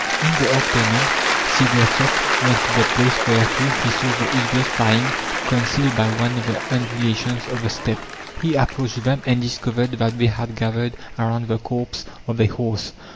In the afternoon, Syevertsoff went to the place whereto he saw the eagles flying; concealed by one of the undulations of the Steppe, he approached them, and discovered that they had gathered around the corpse of a horse.